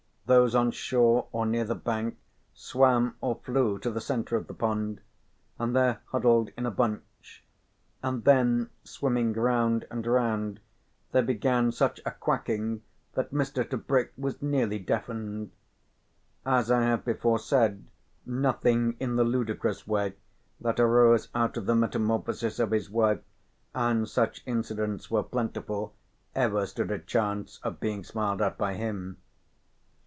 Those on shore or near the bank swam or flew to the centre of the pond, and there huddled in a bunch; and then, swimming round and round, they began such a quacking that Mr. Tebrick was nearly deafened. As I have before said, nothing in the ludicrous way that arose out of the metamorphosis of his wife (and such incidents were plentiful) ever stood a chance of being smiled at by him.